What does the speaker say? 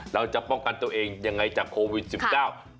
เราจะป้องกันตัวเองยังไงจากโควิด๑๙